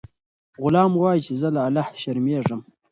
غلام وایي چې زه له الله شرمیږم.